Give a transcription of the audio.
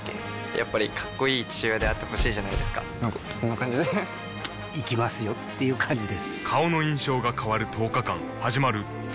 やっぱりかっこいい父親であってほしいじゃないですかなんかこんな感じで行きますよっていう感じです